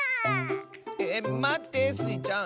えまってスイちゃん！